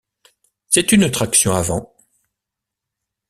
C'est une traction avant.